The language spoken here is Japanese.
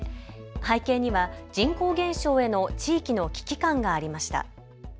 背景には人口減少への地域の危機感がありました。